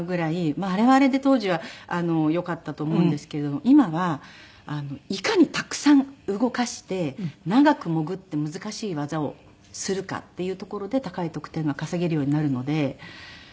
あれはあれで当時はよかったと思うんですけど今はいかにたくさん動かして長く潜って難しい技をするかっていうところで高い得点が稼げるようになるので。